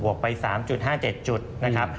วกไป๓๕๗จุดนะครับ